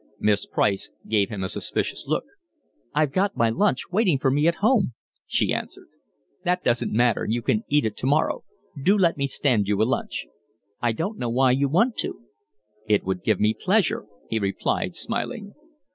Miss Price gave him a suspicious look. "I've got my lunch waiting for me at home," she answered. "That doesn't matter. You can eat it tomorrow. Do let me stand you a lunch." "I don't know why you want to." "It would give me pleasure," he replied, smiling.